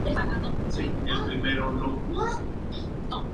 Se tiene especial cuidado en la minimización de la contaminación sonora.